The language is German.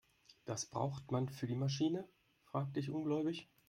Das braucht man für die Maschine?, fragte ich ungläubig.